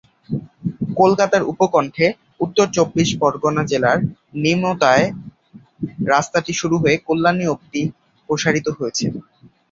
কলকাতার উপকণ্ঠে উত্তর চব্বিশ পরগনা জেলার নিমতায় রাস্তাটি শুরু হয়ে কল্যাণী অবধি প্রসারিত হয়েছে।